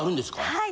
はい。